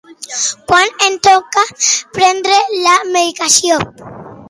Quan em toca prendre la medicació?